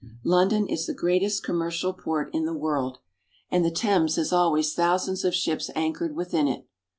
London is the greatest commercial port of the world, 68 ENGLAND. and the Thames has always thousands of ships anchored within it.